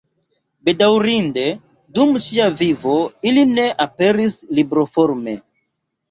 Bedaŭrinde dum ŝia vivo ili ne aperis libroforme.